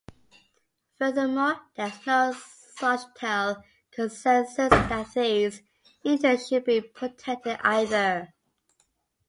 Furthermore, there is no societal consensus that these interests should be protected either.